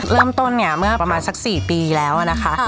เริ่มต้นเนี้ยเมื่อประมาณสักสี่ปีแล้วอ่ะนะคะอ่า